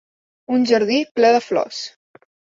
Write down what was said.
Un jardí ple de flors.